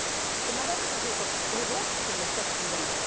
また何か来ると「これどうやって作るんですか？」って聞いたんだって。